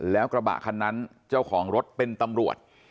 แล้วกระบะคันนั้นเจ้าของรถเป็นตำรวจ